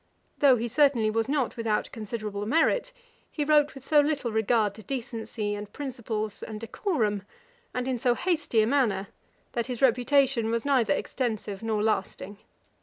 Though he certainly was not without considerable merit, he wrote with so little regard to decency and principles, and decorum, and in so hasty a manner, that his reputation was neither extensive nor lasting.